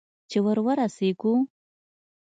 چې ور ورسېږو؟